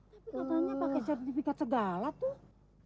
tapi namanya pakai sertifikat segala tuh